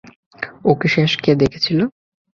ওকে শেষ কে দেখেছিল?